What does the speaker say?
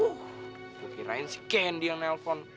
uh aku kirain si candy yang nelpon